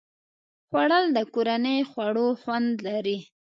خوړل د کورني خواړو خوند لري